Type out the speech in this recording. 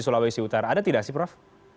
sulawesi utara ada tidak sih prof